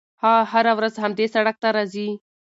هغه هره ورځ همدې سړک ته راځي.